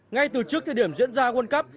ngay từ trước thời điểm diễn ra world cup